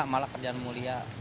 malah kerjaan mulia